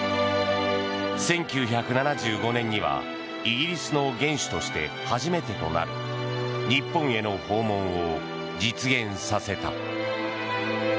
１９７５年にはイギリスの元首として初めてとなる日本への訪問を実現させた。